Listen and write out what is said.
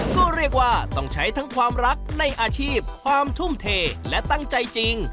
ก็เรียกว่าต้องใช้ทั้งความรักในอาชีพความทุ่มเทและตั้งใจจริง